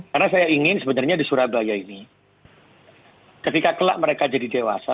karena saya ingin sebenarnya di surabaya ini ketika kelak mereka jadi dewasa